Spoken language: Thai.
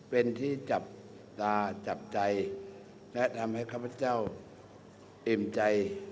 เป็นที่จับตาจับใจและทำให้ข้าพเจ้าอิ่มใจ